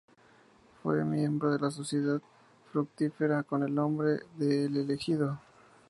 Fue miembro de la Sociedad fructífera con el nombre de "el elegido".